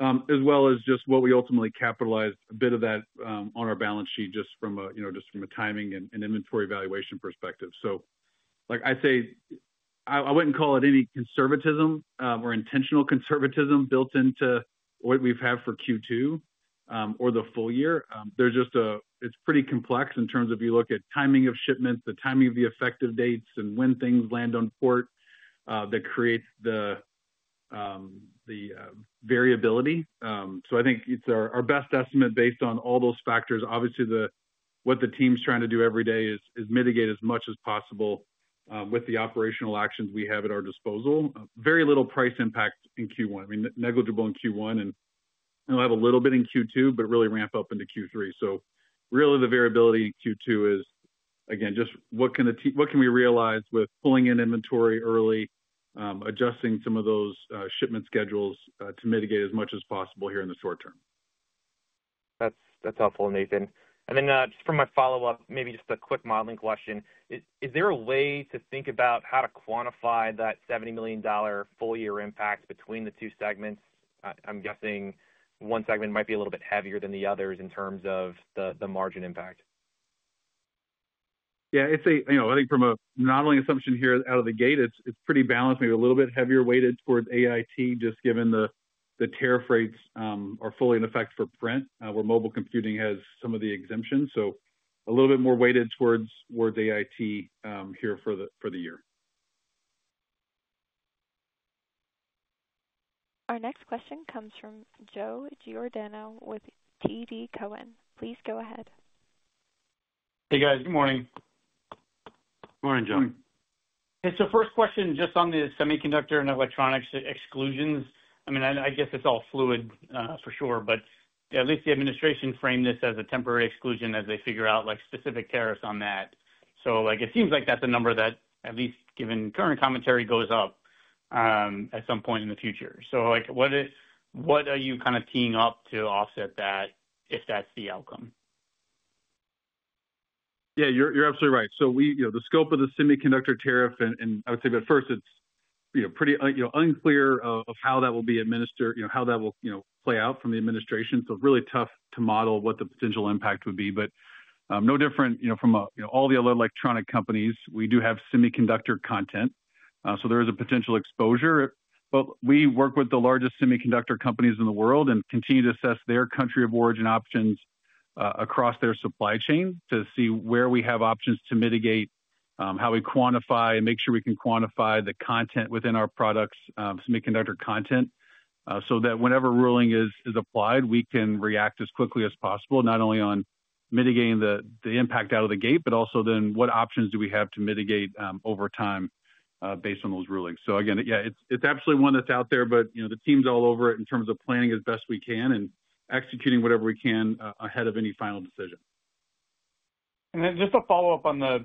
as well as just what we ultimately capitalized a bit of that on our balance sheet just from a timing and inventory evaluation perspective. I'd say I wouldn't call it any conservatism or intentional conservatism built into what we've had for Q2 or the full year. It's pretty complex in terms of you look at timing of shipments, the timing of the effective dates, and when things land on port that creates the variability. I think it's our best estimate based on all those factors. Obviously, what the team's trying to do every day is mitigate as much as possible with the operational actions we have at our disposal. Very little price impact in Q1. I mean, negligible in Q1, and we'll have a little bit in Q2, but really ramp up into Q3. Really the variability in Q2 is, again, just what can we realize with pulling in inventory early, adjusting some of those shipment schedules to mitigate as much as possible here in the short term. That's helpful, Nathan. For my follow-up, maybe just a quick modeling question. Is there a way to think about how to quantify that $70 million full-year impact between the two segments? I'm guessing one segment might be a little bit heavier than the others in terms of the margin impact. Yeah. I think from a modeling assumption here out of the gate, it's pretty balanced, maybe a little bit heavier weighted towards AIT, just given the tariff rates are fully in effect for print, where mobile computing has some of the exemptions. So a little bit more weighted towards AIT here for the year. Our next question comes from Joe Giordano with TD Cowen. Please go ahead. Hey, guys. Good morning. Morning, Joe. Hey. First question, just on the semiconductor and electronics exclusions. I mean, I guess it's all fluid for sure, but at least the administration framed this as a temporary exclusion as they figure out specific tariffs on that. It seems like that's a number that, at least given current commentary, goes up at some point in the future. What are you kind of teeing up to offset that if that's the outcome? Yeah, you're absolutely right. The scope of the semiconductor tariff, I would say that first it's pretty unclear how that will be administered, how that will play out from the administration. It's really tough to model what the potential impact would be. No different from all the other electronic companies, we do have semiconductor content. There is a potential exposure. We work with the largest semiconductor companies in the world and continue to assess their country of origin options across their supply chain to see where we have options to mitigate, how we quantify, and make sure we can quantify the content within our products, semiconductor content, so that whenever ruling is applied, we can react as quickly as possible, not only on mitigating the impact out of the gate, but also then what options do we have to mitigate over time based on those rulings. Again, yeah, it's absolutely one that's out there, but the team's all over it in terms of planning as best we can and executing whatever we can ahead of any final decision. Just a follow-up on the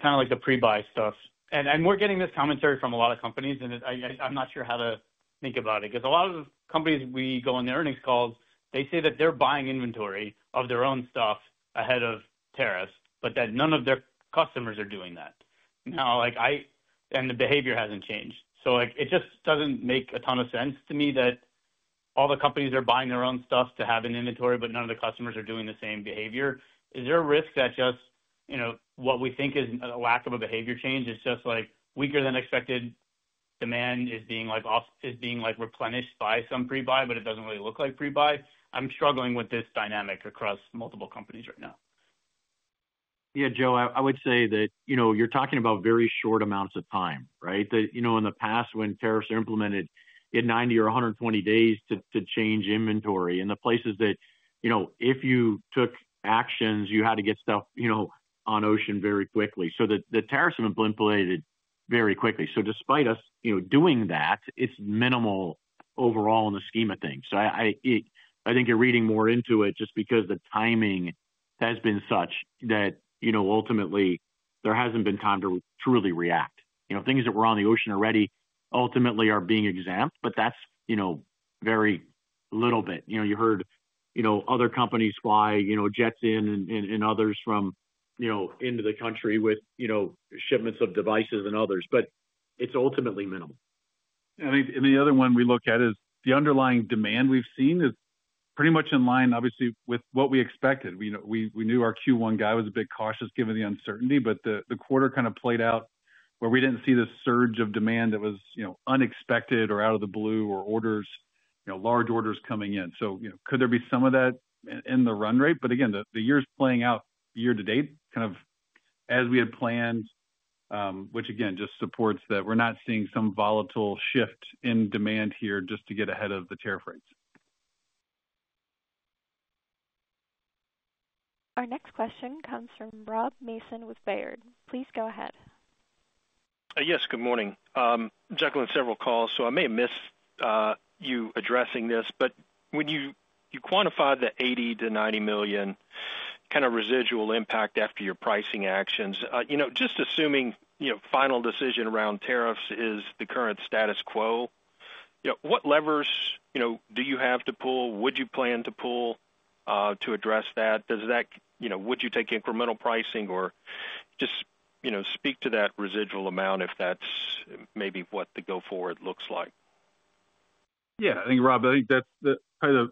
kind of like the pre-buy stuff. We're getting this commentary from a lot of companies, and I'm not sure how to think about it because a lot of companies we go on their earnings calls, they say that they're buying inventory of their own stuff ahead of tariffs, but that none of their customers are doing that. The behavior hasn't changed. It just doesn't make a ton of sense to me that all the companies are buying their own stuff to have in inventory, but none of the customers are doing the same behavior. Is there a risk that just what we think is a lack of a behavior change is just weaker than expected demand is being replenished by some pre-buy, but it doesn't really look like pre-buy? I'm struggling with this dynamic across multiple companies right now. Yeah, Joe, I would say that you're talking about very short amounts of time, right? In the past, when tariffs are implemented, it's 90 or 120 days to change inventory. The places that if you took actions, you had to get stuff on ocean very quickly. The tariffs have been implemented very quickly. Despite us doing that, it's minimal overall in the scheme of things. I think you're reading more into it just because the timing has been such that ultimately there hasn't been time to truly react. Things that were on the ocean already ultimately are being exempt, but that's very little bit. You heard other companies fly jets in and others flown into the country with shipments of devices and others, but it's ultimately minimal. I think the other one we look at is the underlying demand we've seen is pretty much in line, obviously, with what we expected. We knew our Q1 guide was a bit cautious given the uncertainty, but the quarter kind of played out where we didn't see the surge of demand that was unexpected or out of the blue or large orders coming in. Could there be some of that in the run rate? Again, the year's playing out year to date, kind of as we had planned, which again, just supports that we're not seeing some volatile shift in demand here just to get ahead of the tariff rates. Our next question comes from Rob Mason with Baird. Please go ahead. Yes, good morning. Juggling several calls, so I may have missed you addressing this, but when you quantify the $80 million-$90 million kind of residual impact after your pricing actions, just assuming final decision around tariffs is the current status quo, what levers do you have to pull? Would you plan to pull to address that? Would you take incremental pricing or just speak to that residual amount if that's maybe what the go-forward looks like? Yeah. I think, Rob, I think that's kind of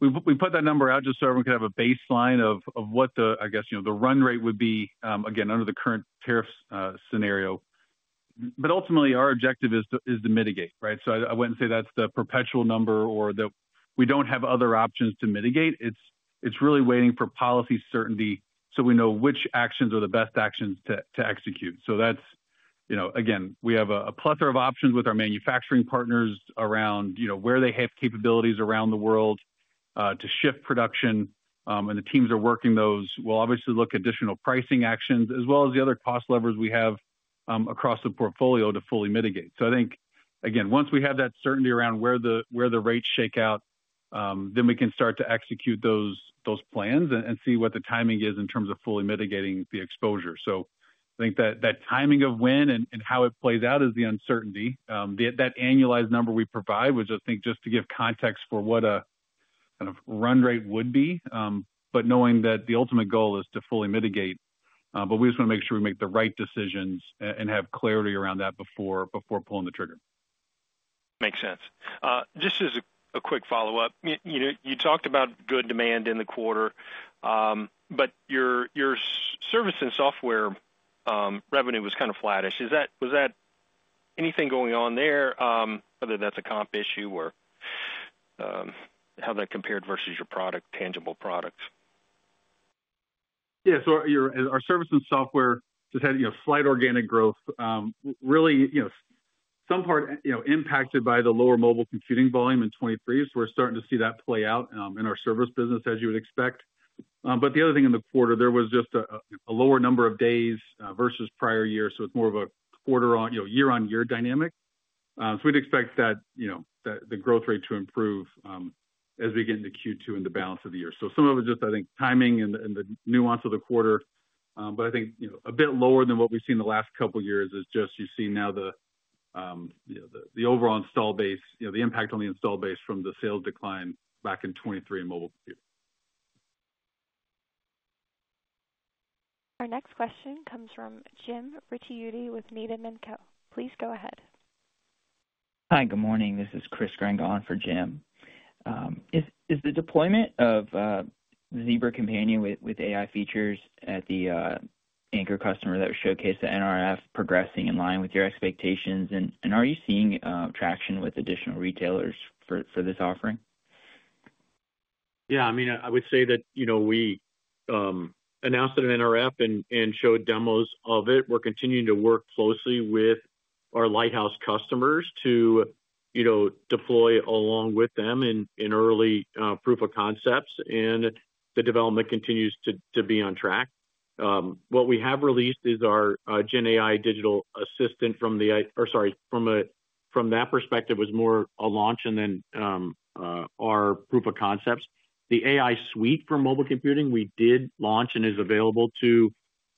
we put that number out just so everyone can have a baseline of what the, I guess, the run rate would be, again, under the current tariffs scenario. Ultimately, our objective is to mitigate, right? I wouldn't say that's the perpetual number or that we don't have other options to mitigate. It's really waiting for policy certainty so we know which actions are the best actions to execute. We have a plethora of options with our manufacturing partners around where they have capabilities around the world to shift production, and the teams are working those. We'll obviously look at additional pricing actions as well as the other cost levers we have across the portfolio to fully mitigate. I think, again, once we have that certainty around where the rates shake out, then we can start to execute those plans and see what the timing is in terms of fully mitigating the exposure. I think that timing of when and how it plays out is the uncertainty. That annualized number we provide, which I think just to give context for what a kind of run rate would be, but knowing that the ultimate goal is to fully mitigate. We just want to make sure we make the right decisions and have clarity around that before pulling the trigger. Makes sense. Just as a quick follow-up, you talked about good demand in the quarter, but your service and software revenue was kind of flattish. Was that anything going on there, whether that's a comp issue or how that compared versus your tangible products? Yeah. Our service and software just had slight organic growth, really some part impacted by the lower mobile computing volume in 2023. We're starting to see that play out in our service business, as you would expect. The other thing in the quarter, there was just a lower number of days versus prior year. It's more of a quarter-year-on-year dynamic. We'd expect that the growth rate to improve as we get into Q2 and the balance of the year. Some of it's just, I think, timing and the nuance of the quarter. I think a bit lower than what we've seen the last couple of years is just you see now the overall installed base, the impact on the install base from the sales decline back in 2023 in mobile computers. Our next question comes from Jim Ricchiuti with Needham & Co. Please go ahead. Hi, good morning. This is Chris Grenga for Jim. Is the deployment of Zebra Companion with AI features at the anchor customer that showcased at NRF progressing in line with your expectations? Are you seeing traction with additional retailers for this offering? Yeah. I mean, I would say that we announced at NRF and showed demos of it. We're continuing to work closely with our Lighthouse customers to deploy along with them in early proof of concepts. The development continues to be on track. What we have released is our GenAI digital assistant from that perspective, which was more a launch and then our proof of concepts. The AI suite for mobile computing, we did launch and is available to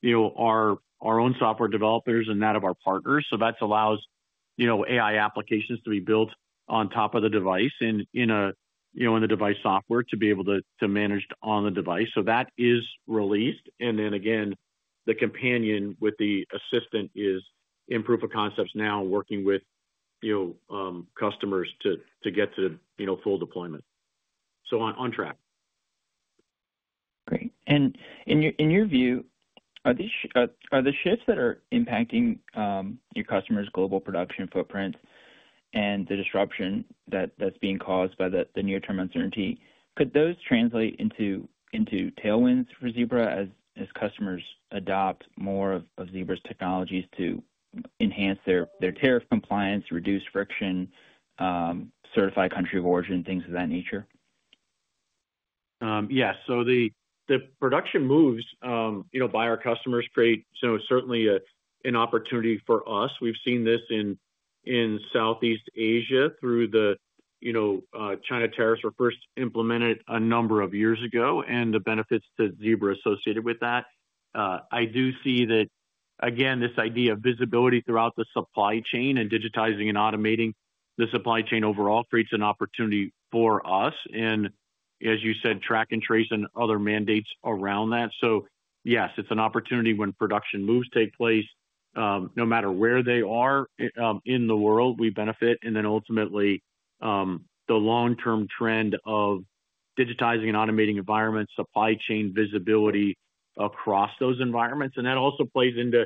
our own software developers and that of our partners. That allows AI applications to be built on top of the device and in the device software to be able to manage on the device. That is released. The companion with the assistant is in proof of concepts now, working with customers to get to full deployment. On track. Great. In your view, are the shifts that are impacting your customers' global production footprint and the disruption that is being caused by the near-term uncertainty, could those translate into tailwinds for Zebra as customers adopt more of Zebra's technologies to enhance their tariff compliance, reduce friction, certify country of origin, things of that nature? Yeah. The production moves by our customers create certainly an opportunity for us. We've seen this in Southeast Asia through the China tariffs were first implemented a number of years ago and the benefits to Zebra associated with that. I do see that, again, this idea of visibility throughout the supply chain and digitizing and automating the supply chain overall creates an opportunity for us. As you said, track and trace and other mandates around that. Yes, it's an opportunity when production moves take place, no matter where they are in the world, we benefit. Ultimately, the long-term trend of digitizing and automating environments, supply chain visibility across those environments. That also plays into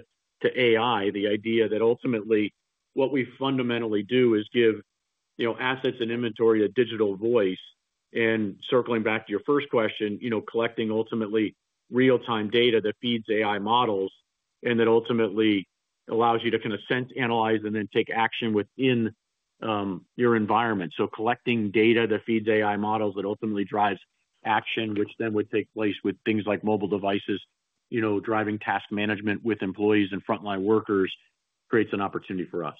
AI, the idea that ultimately what we fundamentally do is give assets and inventory a digital voice. Circling back to your first question, collecting ultimately real-time data that feeds AI models and that ultimately allows you to kind of sense, analyze, and then take action within your environment. Collecting data that feeds AI models that ultimately drives action, which then would take place with things like mobile devices, driving task management with employees and frontline workers creates an opportunity for us.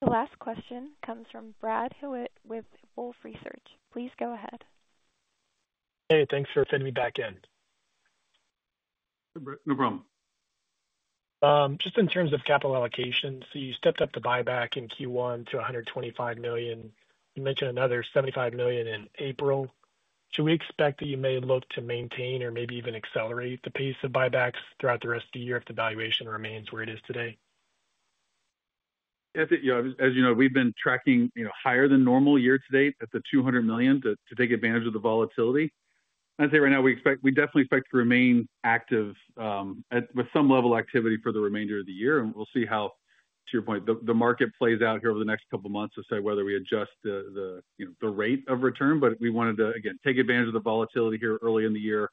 The last question comes from Brad Hewitt with Wolfe Research. Please go ahead. Hey, thanks for fitting me back in. No problem. Just in terms of capital allocation, you stepped up the buyback in Q1 to $125 million. You mentioned another $75 million in April. Should we expect that you may look to maintain or maybe even accelerate the pace of buybacks throughout the rest of the year if the valuation remains where it is today? As you know, we've been tracking higher than normal year to date at the $200 million to take advantage of the volatility. I'd say right now we definitely expect to remain active with some level of activity for the remainder of the year. We'll see how, to your point, the market plays out here over the next couple of months to say whether we adjust the rate of return. We wanted to, again, take advantage of the volatility here early in the year.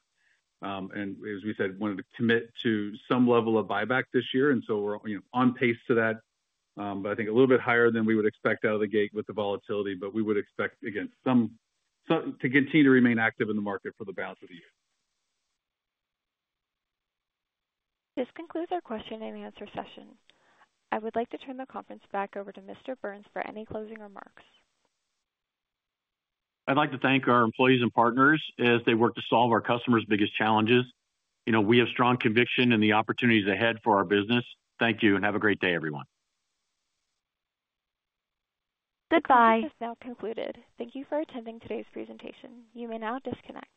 As we said, wanted to commit to some level of buyback this year. We're on pace to that, but I think a little bit higher than we would expect out of the gate with the volatility. We would expect, again, to continue to remain active in the market for the balance of the year. This concludes our Q&A session. I would like to turn the conference back over to Mr. Burns for any closing remarks. I'd like to thank our employees and partners as they work to solve our customers' biggest challenges. We have strong conviction in the opportunities ahead for our business. Thank you and have a great day, everyone. Goodbye. This call has now concluded. Thank you for attending today's presentation. You may now disconnect.